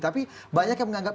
tapi banyak yang menganggap